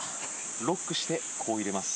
ロックしてこう入れます。